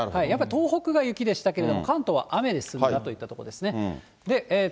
やっぱり東北が雪でしたけれども、関東は雨でしたといったところです。